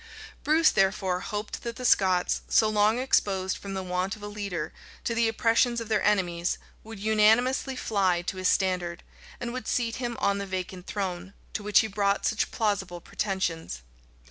Bruce therefore hoped that the Scots, so long exposed, from the want of a leader, to the oppressions of their enemies, would unanimously fly to his standard, and would seat him on the vacant throne, to which he brought such plausible pretensions.